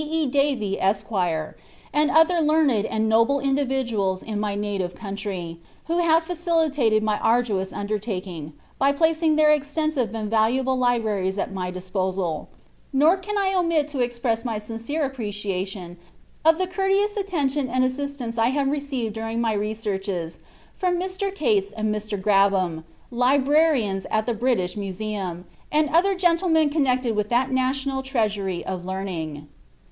E. Darey, Esq., and oilier learned and noble lOdividuBla in my nulive county, who have facilitated my arduous undertaking, by placing tlieir extensive and valualile libraries at my ■tlsposal : nor can I omit to express my sincere npprtci.ition of the courteous attention and assistance I have received during roy re searches, from Mr. Calea and Mr. Grabham, librarians al the British Museum, and ottier gentlemen connected with that national treasury of learning.